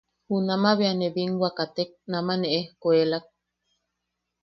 Junama bea ne binwa ne katek, nama ne ejkuelak.